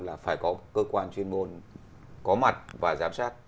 là phải có cơ quan chuyên môn có mặt và giám sát